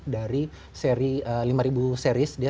dari seri lima series